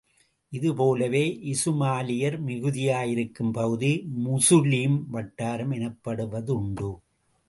இது போலவே, இசுமாலியர் மிகுதியாயிருக்கும் பகுதி முசுலீம் வட்டாரம் எனப்படுவதுண்டு.